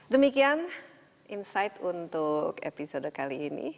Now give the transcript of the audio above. demikian insight untuk episode kali ini